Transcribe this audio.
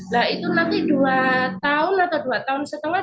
nah itu nanti dua tahun atau dua tahun setengah